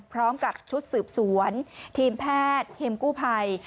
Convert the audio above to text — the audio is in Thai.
พร้อมกับชุดสืบสวนทีมแพทย์ทีมกู้ภัย